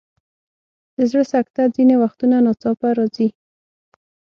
د زړه سکته ځینې وختونه ناڅاپه راځي.